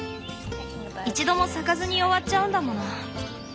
一度も咲かずに終わっちゃうんだもの。